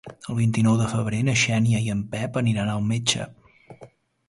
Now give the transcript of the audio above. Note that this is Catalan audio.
El vint-i-nou de febrer na Xènia i en Pep aniran al metge.